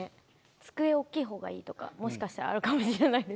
机大きいほうがいいとかもしかしたらあるかもしれないですね。